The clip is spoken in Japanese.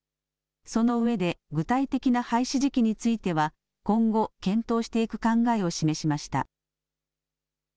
そのうえで具体的な廃止時期については今後、検討していく考えを示しました。